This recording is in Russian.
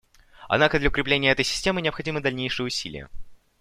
Однако для укрепления этой системы необходимы дальнейшие усилия.